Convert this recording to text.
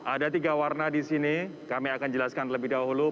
ada tiga warna disini kami akan jelaskan lebih dahulu